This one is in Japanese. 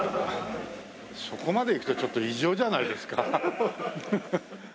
そこまでいくとちょっと異常じゃないですか？